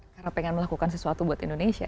karena pengen melakukan sesuatu buat indonesia